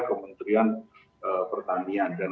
kementerian pertanian dan